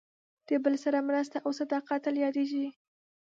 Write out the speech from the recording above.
د بل سره مرسته او صداقت تل یادېږي.